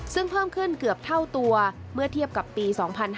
ซึ่งเพิ่มขึ้นเกือบเท่าตัวเมื่อเทียบกับปี๒๕๕๙